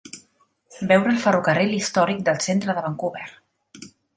Veure el ferrocarril històric del centre de Vancouver.